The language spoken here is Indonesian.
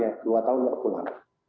dua tahun pulang